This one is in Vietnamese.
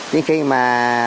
đến khi mà